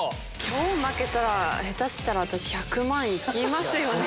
今日負けたら下手したら私１００万行きますよね。